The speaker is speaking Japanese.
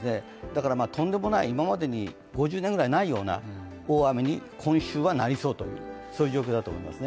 だからとんでもない、今までに５０年ぐらいないような大雨に今週はなりそうという状況だと思います。